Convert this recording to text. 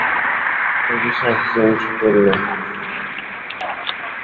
আমি বিছানা থেকে উঠে পড়লুম।